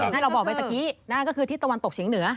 ที่เราบอกไปเมื่อกี้ก็คือทิศตะวันตกเฉียงเหนือ